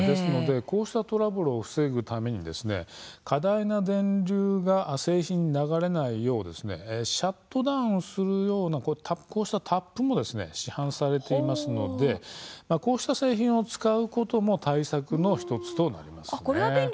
こうしたトラブルを防ぐために過大な電流が製品に流れないようにシャットダウンをするようなタップも市販されていますのでこうした製品を使うことも対策の１つとなります。